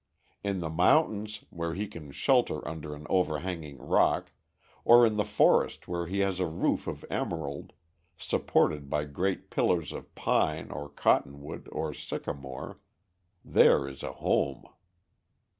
In the mountains, where he can shelter under an overhanging rock, or in the forest where he has a roof of emerald, supported by great pillars of pine or cottonwood or sycamore, there is home.